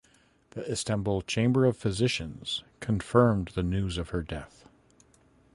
The Istanbul Chamber of Physicians confirmed the news of her death.